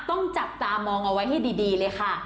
ต้องจับตามองเอาไว้ให้ดีเลยค่ะ